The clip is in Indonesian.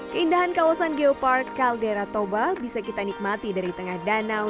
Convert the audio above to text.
keindahan kawasan geopark kaldera toba bisa kita nikmati dari tengah danau